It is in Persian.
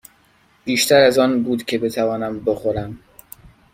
بیشتر از آن بود که بتوانم بخورم.